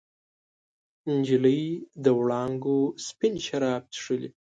نجلۍ د وړانګو سپین شراب چښلي